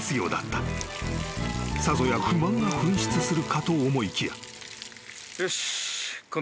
［さぞや不満が噴出するかと思いきや］